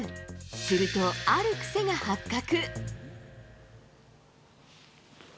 すると、ある癖が発覚。